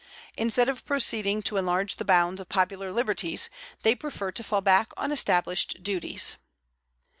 Instead of proceeding to enlarge the bounds of popular liberties, they prefer to fall back on established duties.